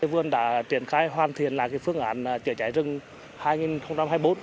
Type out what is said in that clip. vườn đã triển khai hoàn thiện phương án chữa cháy rừng hai nghìn hai mươi bốn